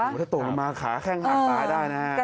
โดยจะโตกลงมาขาแค่หักตาได้นะครับ